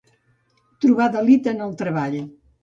Trobar delit en el treball.